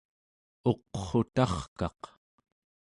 uqrutarkaq